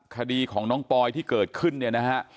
คดีของน้องปอยที่เกิดขึ้นเนี่ยนะฮะ